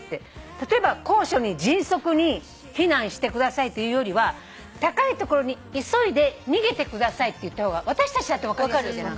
例えば「高所に迅速に避難してください」と言うよりは「高い所に急いで逃げてください」って言った方が私たちだって分かりやすいじゃない。